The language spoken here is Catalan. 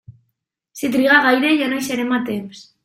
Si triga gaire ja no hi serem a temps.